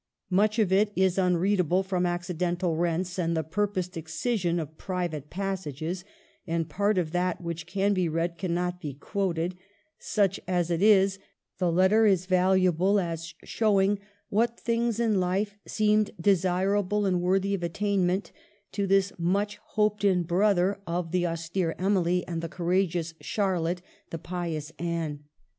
Much of it is unreadable from accidental rents and the pur posed excision of private passages, and part of that which can be read cannot be quoted ; such as it is, the letter is valuable as showing what things in life seemed desirable and worthy of attainment to this much hoped in brother of the austere Emily, the courageous Charlotte, the pious Anne.